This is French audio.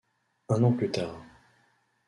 Un an plus tard.